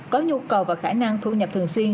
có nhu cầu và khả năng thu nhập thường xuyên